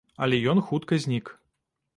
Але ён хутка знік.